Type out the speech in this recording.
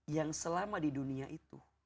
yang selama di dunia itu